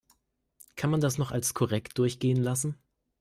Kann man das noch als korrekt durchgehen lassen?